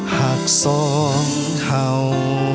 หักสองเขา